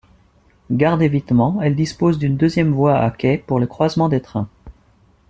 Gare d'évitement, elle dispose d'une deuxième voie à quai pour le croisement des trains.